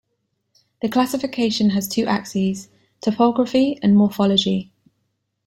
The classification has two axes: topography and morphology.